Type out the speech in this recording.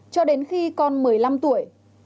cho đến khi con một mươi năm tuổi